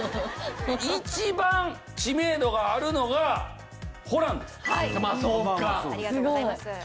一番知名度があるのがホランです。